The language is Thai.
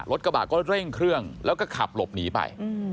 รถกระบะก็เร่งเครื่องแล้วก็ขับหลบหนีไป